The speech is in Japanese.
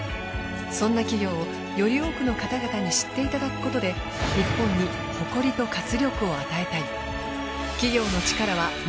そんな企業をより多くの方々に知っていただくことで日本に誇りと活力を与えたい。